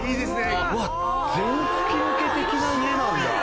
うわ全吹き抜け的な家なんだ。